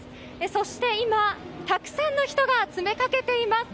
そして今、たくさんの人が詰めかけています。